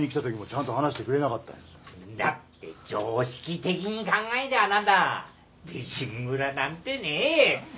んだって常識的に考えてあなた美人村なんてねえハハハハハ。